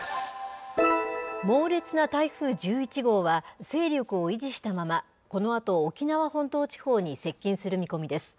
猛烈な台風１１号は、勢力を維持したまま、このあと沖縄本島地方に接近する見込みです。